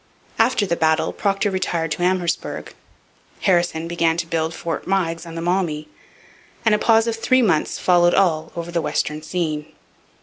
After the battle Procter retired to Amherstburg; Harrison began to build Fort Meigs on the Maumee; and a pause of three months followed all over the western scene.